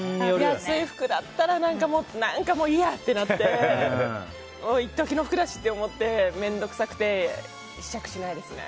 安い服だったらもう、いいや！ってなって一時の服だしって思って面倒くさくて試着しないですね。